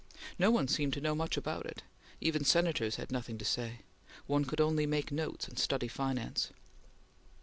No one seemed to know much about it. Even Senators had nothing to say. One could only make notes and study finance.